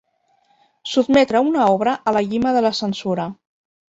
Sotmetre una obra a la llima de la censura.